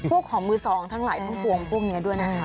พวกของมือสองทั้งหลายทุกพวกนี้ด้วยนะคะ